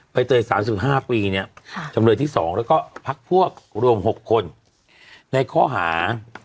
เตย๓๕ปีเนี่ยจำเลยที่๒แล้วก็พักพวกรวม๖คนในข้อหา